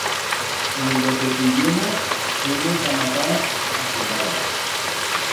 En do te pillemos, t'hemos a matar a zumbadas.